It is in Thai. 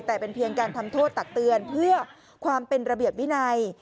แต่เป็นเพียงการทำโทษตักเตือนเพื่อความเป็นระเบียบวินัย